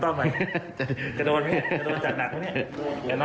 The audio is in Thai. กระโดนไปนี่กระโดนจัดหนักไหมนี่